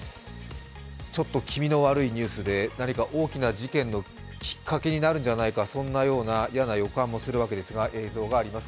ちょっと気味の悪いニュースで何か大きな事件のきっかけになるんじゃないかそんなような嫌な予感もするわけなんですが、映像があります。